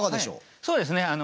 そうですね